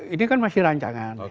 ini kan masih rancangan